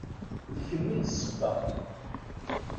D kem i d sseba.